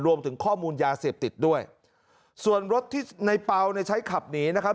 รวมถึงข้อมูลยาเสพติดด้วยส่วนรถที่ในเปล่าเนี่ยใช้ขับหนีนะครับ